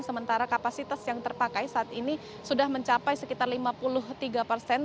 sementara kapasitas yang terpakai saat ini sudah mencapai sekitar lima puluh tiga persen